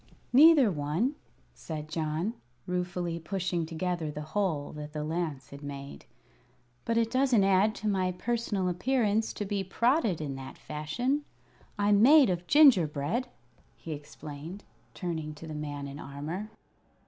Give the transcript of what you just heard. "Neither one," said John, ruefully pushing together the hole that the lance had made; "but it doesn't add to my personal appearance to be prodded in that fashion. I'm made of gingerbread," he explained, turning to the man in armor.